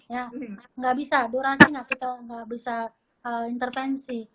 ya enggak bisa durasi enggak kita bisa intervensi